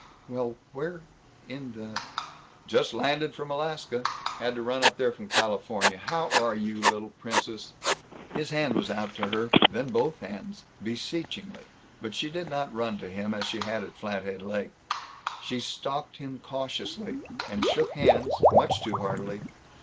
"Well where in the " "Just landed from Alaska. Had to run up there from California. How are you, little princess?" His hand was out to her, then both hands, beseechingly, but she did not run to him, as she had at Flathead Lake. She stalked him cautiously, and shook hands much too heartily.